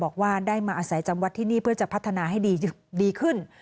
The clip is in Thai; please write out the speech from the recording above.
บอกว่าได้มาอาศัยจำวัดที่นี่เพื่อจะพัฒนาให้ดีขึ้น